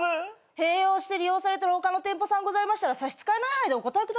併用して利用されてる他の店舗さんございましたら差し支えない範囲でお答えください。